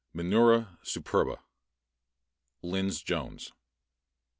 (Menura superba.) LYNDS JONES.